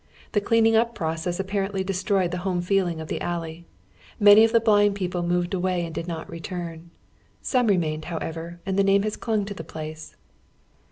The cleaning np process apparently destroyed the home feeling of the al ley ; many of the blind people moved away and did not return. Some remained, however, and the name has clung to the place.